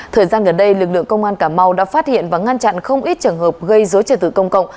thời gian gần đây lực lượng công an cà mau đã phát hiện và ngăn chặn không ít trường hợp gây dối trật tự công cộng